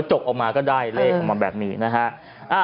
จกออกมาก็ได้เลขออกมาแบบนี้นะฮะ